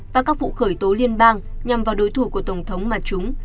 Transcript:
và các vụ khởi tố liên bang nhằm vào đối thủ của tổng thống mà chúng